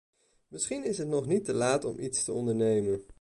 Misschien is het nog niet te laat om iets te ondernemen.